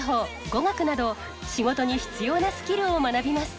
語学など仕事に必要なスキルを学びます。